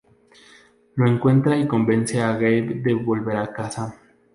Lo encuentra y convence a Gabe de volver a casa.